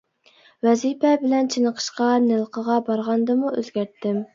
ۋەزىپە بىلەن چېنىقىشقا نىلقىغا بارغاندىمۇ ئۆزگەرتتىم.